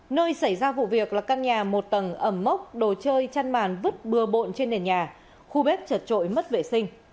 nơi xảy ra vụ việc là căn nhà một tầng ẩm mốc đồ chơi chăn màn vứt bừa bộn trên nền nhà khu bếp chật trội mất vệ sinh